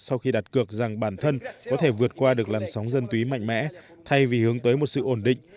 sau khi đặt cược rằng bản thân có thể vượt qua được làn sóng dân túy mạnh mẽ thay vì hướng tới một sự ổn định